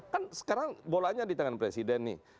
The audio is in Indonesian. kan sekarang bolanya di tangan presiden nih